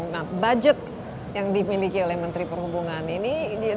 nah budget yang dimiliki oleh menteri perhubungan ini